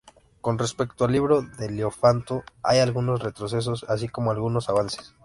Con respecto al libro de Diofanto, hay algunos retrocesos, así como algunos avances.